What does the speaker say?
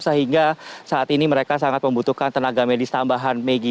sehingga saat ini mereka sangat membutuhkan tenaga medis tambahan megi